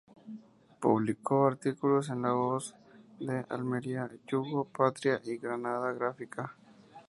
Publicó artículos en La Voz de Almería, Yugo, Patria y Granada Gráfica.